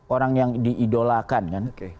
orang yang diidolakan kan